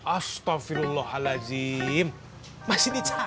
astagfirullahaladzim masih dicari